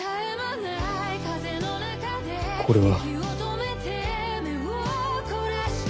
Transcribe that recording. これは。